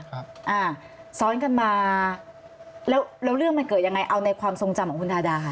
แล้วเรื่องมันเกิดอย่างไรเอาในความทรงจำของคุณธาดาค่ะ